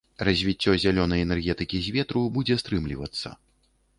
Развіццё зялёнай энергетыкі з ветру будзе стрымлівацца.